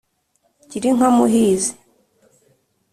Gira inka Muhizi